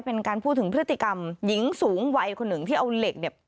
เป็นการพูดถึงพฤติกรรมหญิงสูงวัยคนหนึ่งที่เอาเหล็กเนี่ย